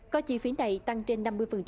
có chi phí này tăng trên năm mươi